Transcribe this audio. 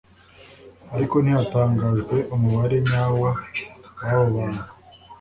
ariko ntihatangajwe umubare nyawo w’abo bantu